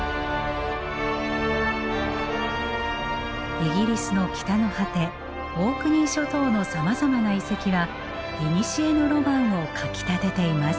イギリスの北の果てオークニー諸島のさまざまな遺跡はいにしえのロマンをかきたてています。